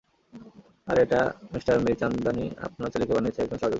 আর এটা মিস্টার মীরচান্দানি আপনার ছেলেকে বানিয়েছে একজন সহযোগী।